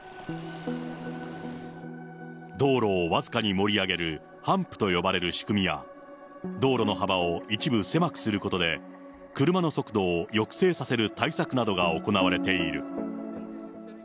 道路をわずかに盛り上げるハンプと呼ばれる仕組みや、道路の幅を一部狭くすることで、車の速度を抑制させる対策などが行われている。